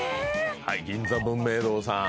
銀座文明堂さん。